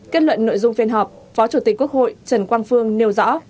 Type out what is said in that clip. kết luận nội dung phiên họp phó chủ tịch quốc hội trần quang phương nêu rõ